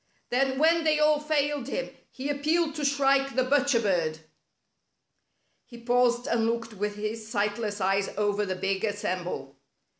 Then when they all failed him he appealed to Shrike the Butcher Bird." ' He paused, and looked with his sightless eyes over the big assemble.